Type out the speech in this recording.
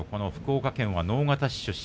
福岡県は直方市出身